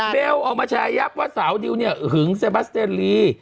เบลออกมาแชร์ยับว่าสาวดิวเนี่ยหึงเซบัสเตรลี